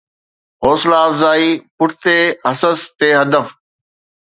حوصلا افزائي پٺتي حصص تي ھدف